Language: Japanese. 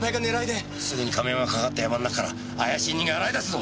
すぐに亀山が関わったヤマの中から怪しい人間洗い出すぞ！